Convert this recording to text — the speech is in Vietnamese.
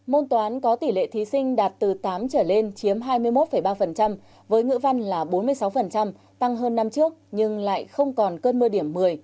môn toán có tỷ lệ thí sinh đạt từ tám trở lên chiếm hai mươi một ba với ngữ văn là bốn mươi sáu tăng hơn năm trước nhưng lại không còn cơn mưa điểm một mươi